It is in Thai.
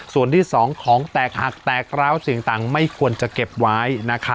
ส่วนที่๒ของแตกหักแตกร้าวเสี่ยงต่างไม่ควรจะเก็บไว้